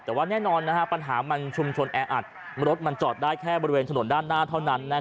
แต่ว่าแน่นอนปัญหามันชุมชนแออัดรถมันจอดได้แค่บริเวณถนนด้านหน้าเท่านั้น